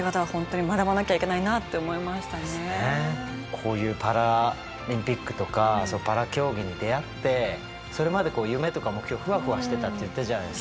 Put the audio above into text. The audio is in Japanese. こういうパラリンピックとかパラ競技に出会ってそれまで夢とか目標ふわふわしてたって言ったじゃないですか。